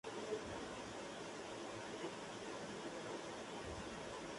El libro estuvo publicado bajo el título "Un Testamento de Devoción.